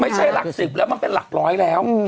ไม่ใช่หลัก๑๐แล้วมันเป็นหลักร้อยแล้ว